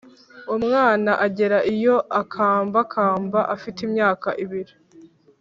umwana agera iyo akambakamba afite imyaka ibiri